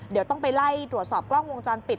เดี๋ยวต้องไปไล่ตรวจสอบกล้องวงจรปิด